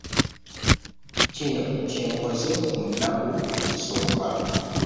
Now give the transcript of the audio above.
Kino kye nkoze mu nnaku ezisooka.